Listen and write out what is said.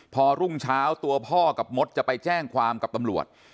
พอรุ่งเช้าตัวพ่อกับมดจะไปแจ้งความกับตำรวจ